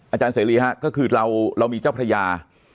อาจารย์เสรีฮะก็คือเรามีเจ้าพระยา